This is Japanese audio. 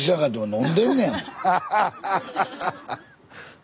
飲んでんねん。